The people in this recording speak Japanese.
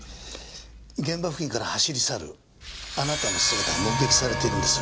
現場付近から走り去るあなたの姿が目撃されているんです。